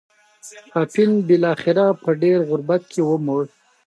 پاپین بلاخره په ډېر غربت کې ومړ.